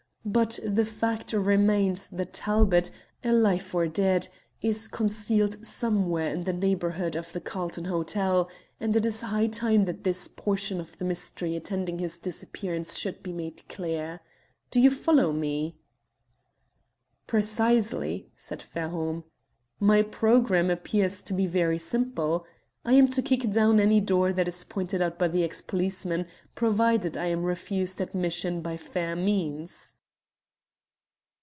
But the fact remains that Talbot, alive or dead, is concealed somewhere in the neighbourhood of the Carlton Hotel, and it is high time that this portion of the mystery attending his disappearance should be made clear. Do you follow me?" "Precisely," said Fairholme. "My programme appears to be very simple. I am to kick down any door that is pointed out by the ex policeman, provided I am refused admission by fair means."